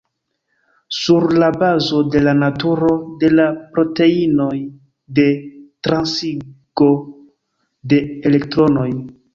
Sur la bazo de la naturo de la proteinoj de transigo de elektronoj.